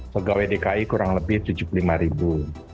pegawai dki kurang lebih tujuh puluh lima ribu